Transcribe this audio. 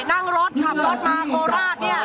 นั่งรถขับรถมาโคราชเนี่ย